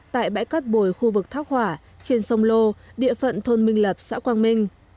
tại bãi cát bồi khu vực thác hỏa trên sông lô địa phận thôn minh lập xã quang minh